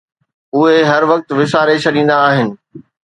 اهي هر وقت وساري ڇڏيندا آهن